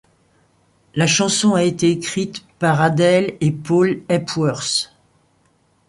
La chanson a été écrite par Adele et Paul Epworth.